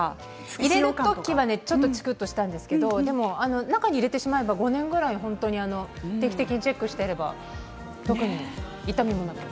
入れる時はちょっと痛かったですけど中に入れれば５年ぐらい定期的にチェックをしていれば痛みもなく。